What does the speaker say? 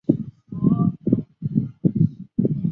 朗代维耶伊勒人口变化图示